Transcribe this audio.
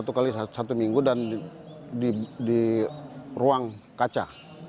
satu kali satu minggu dan di ruang kaca